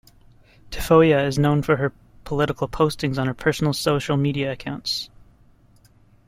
Tafoya is known for her political postings on her personal social media accounts.